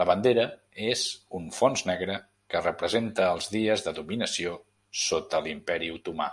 La bandera és un fons negre, que representa els dies de dominació sota l'Imperi Otomà.